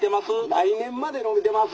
「来年までのびてます」。